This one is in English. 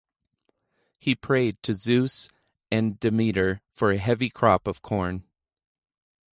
He prayed to Zeus and Demeter for a heavy crop of corn.